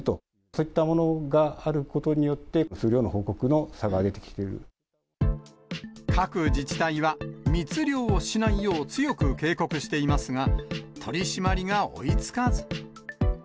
そういったものがあることによって、各自治体は、密漁をしないよう強く警告していますが、取締りが追いつかず。